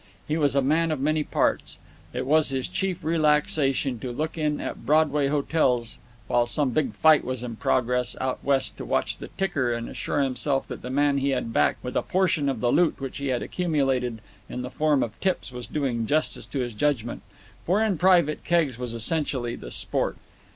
He was a man of many parts. It was his chief relaxation to look in at Broadway hotels while some big fight was in progress out West to watch the ticker and assure himself that the man he had backed with a portion of the loot which he had accumulated in the form of tips was doing justice to his judgment, for in private Keggs was essentially the sport.